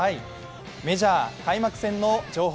メジャー開幕戦の情報